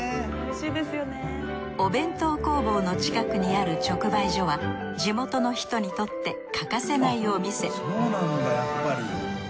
お弁当工房の近くにある直売所は地元の人にとって欠かせないお店あっそうなんだやっぱり。